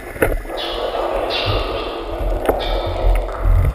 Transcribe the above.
La sobretaula era sorollosa en vetlades com aquella.